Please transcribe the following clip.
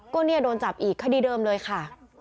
ก็โดนจับอีกคดีเดิมเลยค่ะ